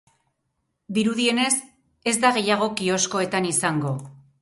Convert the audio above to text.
Dirudienez, ez da gehiago kioskoetan izango.